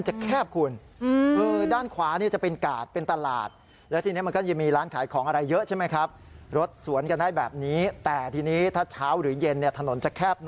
จากนั้นพอลูกเขยขับรถกระบะออกเลนส์ขวาไปแล้ว